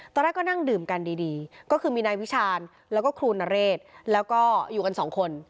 ตอนแรกก็นั่งดื่มกันดีก็คือมีนายวิชาญแล้วก็ครูนเรศแล้วก็อยู่กันสองคน